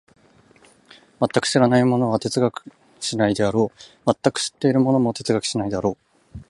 全く知らない者は哲学しないであろう、全く知っている者も哲学しないであろう。